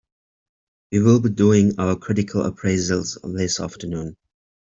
We will be doing our critical appraisals this afternoon.